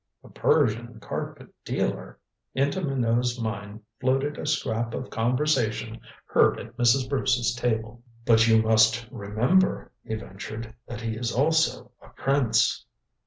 A Persian carpet dealer? Into Minot's mind floated a scrap of conversation heard at Mrs. Bruce's table. "But you must remember," he ventured, "that he is also a prince."